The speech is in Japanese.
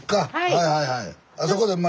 はいはいはい。